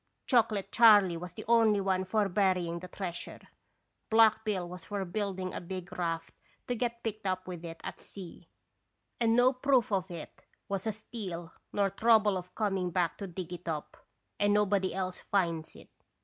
Chocolate Charley was the only one for burying the treasure; Black Bill was for building a big raft, to get picked up with it at sea, and no proof it was a steal nor trouble of coming back to dig it up, and nobody else finds it.